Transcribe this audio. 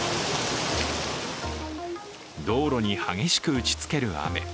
道路に激しく打ちつける雨。